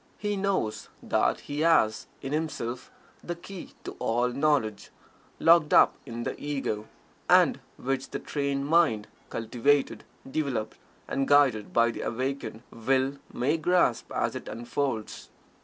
He knows that he has in himself the key to all knowledge locked up in the Ego and which the trained mind, cultivated, developed and guided by the awakened Will, may grasp as it unfolds.